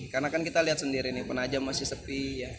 karena kan kita lihat sendiri nih penajam masih sepi